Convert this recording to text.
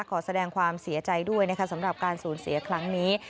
ขอแสดงความเสียใจด้วยนะคะสำหรับการสูญเสียครั้งนี้